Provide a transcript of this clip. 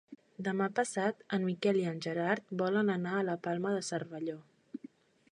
Demà passat en Miquel i en Gerard volen anar a la Palma de Cervelló.